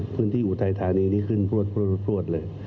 พื้นที่อุทัยธานีนี้ขึ้นพลวดเลย